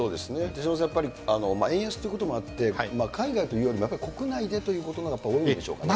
手嶋さん、やっぱり円安ということもあって、海外というより、やっぱ国内でということが多いんでしょうかね。